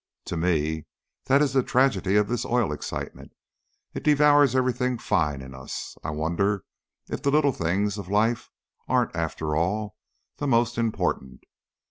"To me that is the tragedy of this oil excitement. It devours everything fine in us. I wonder if the 'little things' of life aren't, after all, the most important.